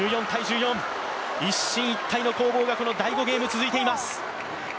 一進一退の攻防が第５ゲーム、続いています。